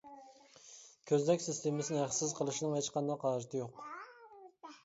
كۆزنەك سىستېمىسىنى ھەقسىز قىلىشنىڭ ھېچقانداق ھاجىتى يوق.